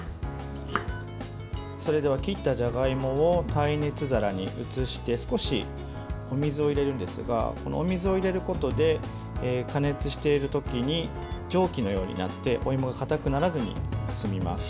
それでは、切ったじゃがいもを耐熱皿に移して少しお水を入れるんですがこのお水を入れることで加熱している時に蒸気のようになってお芋がかたくならずに済みます。